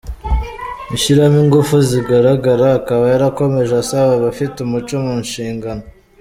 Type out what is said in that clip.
gushyiramo ingufu zigaragara, akaba yarakomeje asaba abafite umuco mu nshingano.